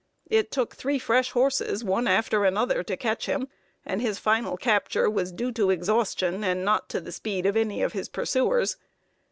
It took three fresh horses, one after another, to catch him, and his final capture was due to exhaustion, and not to the speed of any of his pursuers.